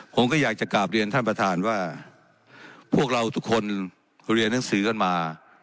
ผมก็อยากจะกลับเรียนท่านประธานว่าพวกเราทุกคนเรียนหนังสือกันมา